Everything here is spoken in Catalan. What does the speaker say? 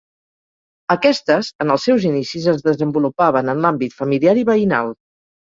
Aquestes, en els seus inicis es desenvolupaven en l’àmbit familiar i veïnal.